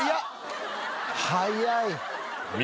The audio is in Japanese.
早い。